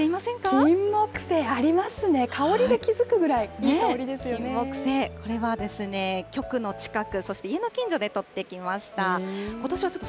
キンモクセイ、ありますね、香りで気付くぐらい、いい香りでキンモクセイ、これは局の近く、そして家の近所で撮ってきました。